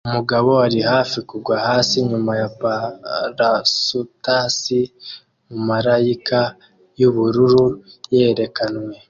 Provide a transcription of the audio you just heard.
Umugabo ari hafi kugwa hasi nyuma ya parasutasi mumarayika yubururu yerekanwe